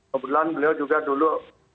kebetulan beliau juga dulu